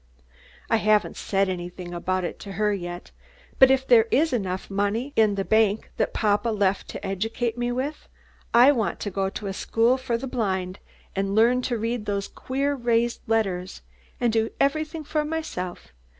I haven't said anything about it yet to her, but if there is enough money in the bank that papa left to educate me with, I want to go to a school for the blind and learn to read those queer raised letters, and to do everything for myself.